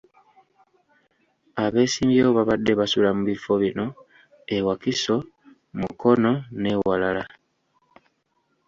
Abeesimbyewo babadde basula mu bifo bino e Wakiso, Mukono n'ewalala.